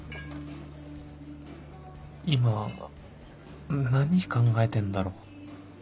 今何考えてんだろう？